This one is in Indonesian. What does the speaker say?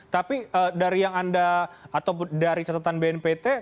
jadi dari yang anda atau dari catatan bnpt